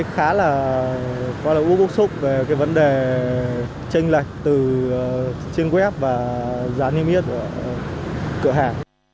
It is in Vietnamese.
khá là quá là vô bức xúc về cái vấn đề tranh lệch từ trên web và giá niêm yết ở cửa hàng